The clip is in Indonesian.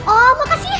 om makasih ya